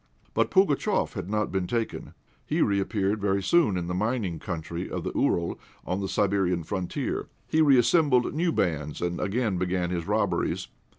But Pugatchéf had not been taken; he reappeared very soon in the mining country of the Ural, on the Siberian frontier. He reassembled new bands, and again began his robberies.